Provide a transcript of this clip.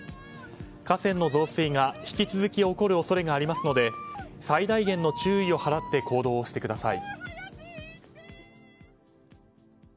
河川の増水が引き続き起こる恐れがありますので最大限の注意を払って行動してください。